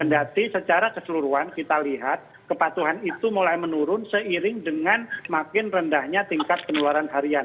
berarti secara keseluruhan kita lihat kepatuhan itu mulai menurun seiring dengan makin rendahnya tingkat penularan harian